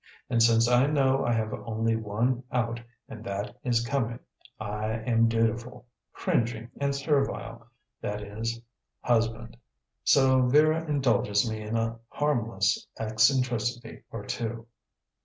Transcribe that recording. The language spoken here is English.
And, since I know I have only one out and that it is coming, I am a dutiful cringing and servile, that is husband. So Vera indulges me in a harmless eccentricity or two.